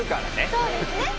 そうですね。